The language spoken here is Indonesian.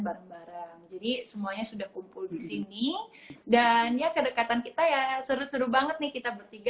bareng bareng jadi semuanya sudah kumpul di sini dan ya kedekatan kita ya seru seru banget nih kita bertiga